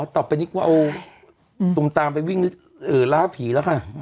อ๋อต่อไปนี่ก็เอาตุ๋มตามไปวิ่งเอ่อล้าผีละค่ะ